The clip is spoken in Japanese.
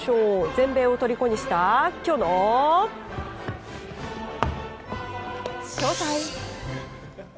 全米をとりこにしたきょうのＳＨＯＴＩＭＥ！